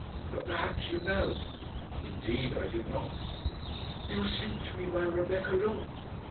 But perhaps you know." "Indeed I do not." "They were sent to me by Rebecca Loth."